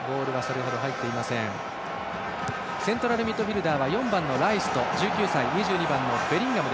セントラルミッドフィールダーは４番のライスと１９歳、２２番のベリンガム。